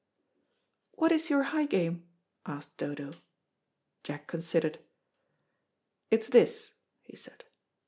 "What is your high game?" asked Dodo. Jack considered. "It's this," he said.